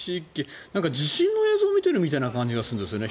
地震の映像を見てるような感じがするんですよね。